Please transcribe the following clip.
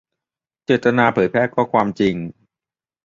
- เจตนาเผยแพร่ข้อความจริง